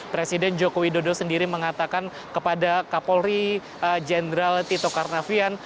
presiden joko widodo sendiri mengatakan kepada kapolri jenderal tito karnavian